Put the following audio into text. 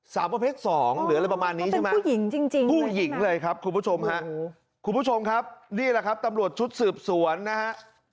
สาวประเภทสองหรืออะไรประมาณนี้ใช่ไหมผู้หญิงจริงผู้หญิงเลยครับคุณผู้ชมฮะคุณผู้ชมครับนี่แหละครับตำรวจชุดสืบสวนนะฮะ